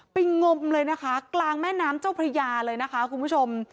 งมเลยนะคะกลางแม่น้ำเจ้าพระยาเลยนะคะคุณผู้ชม